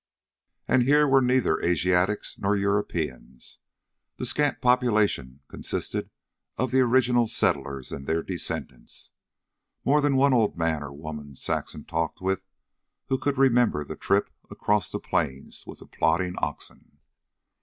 And here were neither Asiatics nor Europeans. The scant population consisted of the original settlers and their descendants. More than one old man or woman Saxon talked with, who could remember the trip across the Plains with the plodding oxen.